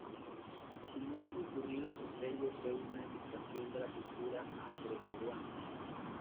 Su muy concurrido sepelio fue una demostración de la cultura afroperuana.